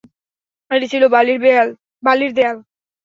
এটি ছিল বালির দেয়াল।